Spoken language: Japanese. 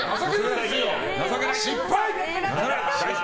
失敗！